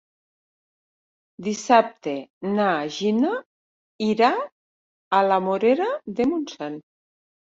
Dissabte na Gina irà a la Morera de Montsant.